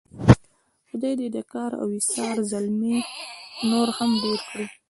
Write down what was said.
خدای دې د کار او ایثار زلمي نور هم ډېر کړي.